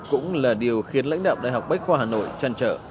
cũng là điều khiến lãnh đạo đại học bách khoa hà nội chăn trở